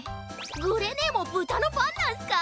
グレねえも豚のファンなんすか？